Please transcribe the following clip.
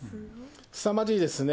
すさまじいですね。